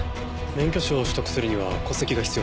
免許証を取得するには戸籍が必要です。